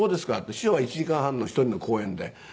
師匠は１時間半の１人の公演で泊まりで。